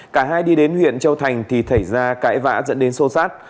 cả hai đi đến huyện châu thành thì xảy ra cãi vã dẫn đến sô sát